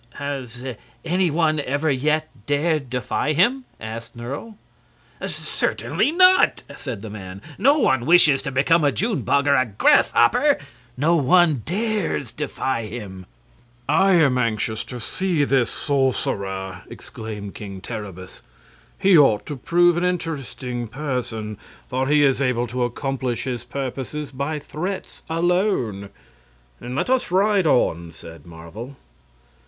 "Has any one ever yet dared defy him?" asked Nerle. "Certainly not!" said the man. "No one wishes to become a June bug or a grasshopper. No one dares defy him.". "I am anxious to see this sorcerer," exclaimed King Terribus. "He ought to prove an interesting person, for he is able to accomplish his purposes by threats alone." "Then let us ride on," said Marvel.